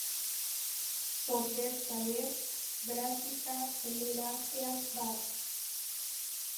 Por berza, ver "Brassica oleracea var.